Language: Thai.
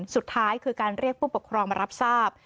สุดท้ายคือการเรียกผู้ปกครองมารับทราบ